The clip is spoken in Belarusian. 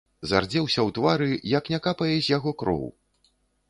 Зардзеўся ў твары, як не капае з яго кроў.